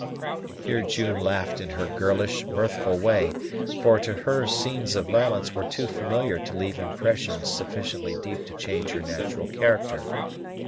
Here June laughed in her girlish, mirthful way, for to her scenes of violence were too familiar to leave impressions sufficiently deep to change her natural character.